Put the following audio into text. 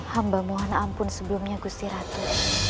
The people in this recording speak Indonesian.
hamba muhana ampun sebelumnya gusti ratu